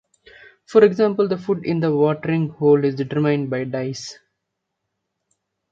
For example the food in the watering hole is determined by dice.